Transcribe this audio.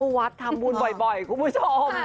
ลูกวาสบรรษทำบุญบ่อยบ่อยคุณผู้ชม